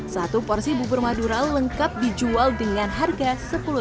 satu porsi bubur madura lengkap dijual dengan harga rp sepuluh